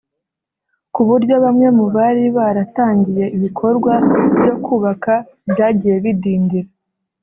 ku buryo bamwe mu bari baratangiye ibikorwa byo kubaka byagiye bidindira